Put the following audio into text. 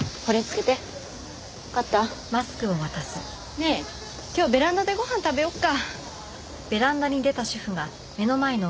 ねえ今日ベランダでご飯食べようか。